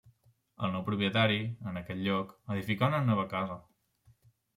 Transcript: El nou propietari, en aquest lloc, edificà una nova casa.